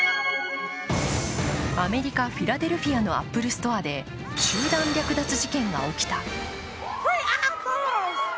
アメリカ・フィラデルフィアのアップルストアで集団略奪事件が起きた。